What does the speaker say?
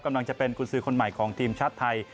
กำลังจะเป็นกุญสือคนใหม่ของทีมชาติไทย